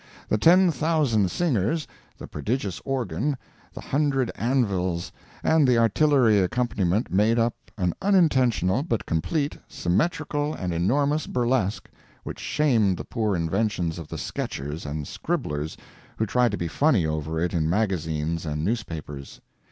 The ten thousand singers, the prodigious organ, the hundred anvils, and the artillery accompaniment made up an unintentional, but complete, symmetrical and enormous burlesque, which shamed the poor inventions of the sketchers and scribblers who tried to be funny over it in magazines and newspapers.